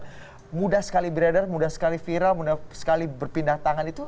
yang mudah sekali beredar mudah sekali viral mudah sekali berpindah tangan itu